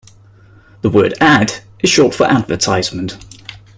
The word ad is short for advertisement